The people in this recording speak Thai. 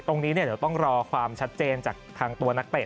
ตรงนี้เดี๋ยวต้องรอความชัดเจนจากทางตัวนักเตะ